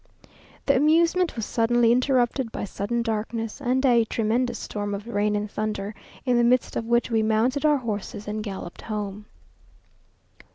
The amusement was suddenly interrupted by sudden darkness, and a tremendous storm of rain and thunder, in the midst of which we mounted our horses, and galloped home.